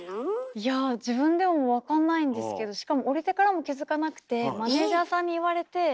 いやぁ自分でも分かんないんですけどしかも降りてからも気付かなくてマネージャーさんに言われて。